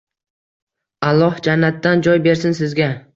Alloh jannatidan joy bersin sizga